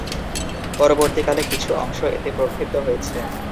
পরবর্তীকালে কিছু অংশ এতে প্রক্ষিপ্ত হয়েছে।